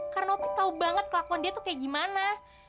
karena opi tau banget kelakuan dia tuh kayak gimana